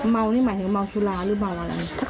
เมานี่หมายถึงเมาสุราหรือเมาอะไร